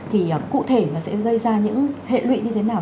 thì cụ thể nó sẽ gây ra những hệ lụy như thế nào